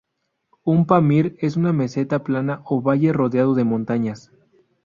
Un pamir es una meseta plana o valle rodeado de montañas.